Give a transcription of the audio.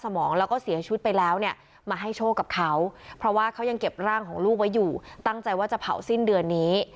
มองแล้วก็เสียชีวิตไปแล้วเนี่ยมาให้โชคกับเขาเพราะว่าเขายังเก็บร่างของลูกไว้อยู่ตั้งใจว่าจะเผาสิ้นเดือนนี้